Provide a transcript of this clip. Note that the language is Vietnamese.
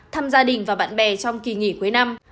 thăm gia đình và bạn bè trong kỳ nghỉ cuối năm